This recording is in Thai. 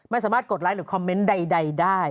สามารถกดไลค์หรือคอมเมนต์ใดได้